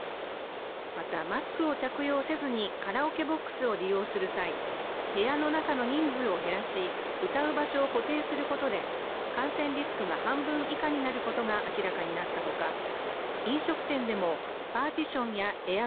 また、マスクを着用せずにカラオケボックスを利用する際部屋の中の人数を減らし、歌う場所を固定することで感染リスクが半分以下になることが明らかになったほか、